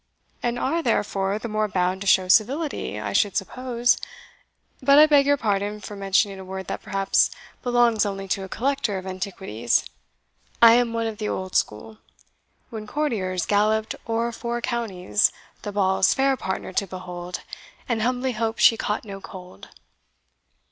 "And are, therefore, the more bound to show civility, I should suppose. But I beg your pardon for mentioning a word that perhaps belongs only to a collector of antiquities I am one of the old school, When courtiers galloped o'er four counties The ball's fair partner to behold, And humbly hope she caught no cold."